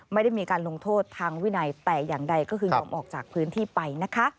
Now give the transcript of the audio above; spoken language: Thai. ไม่ได้มีการลงโทษทางวินัยแต่อย่างใดก็คือยอมออกจากพื้นที่ไปนะคะ